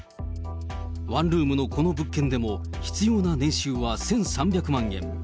ワンルームのこの物件でも必要な年収は１３００万円。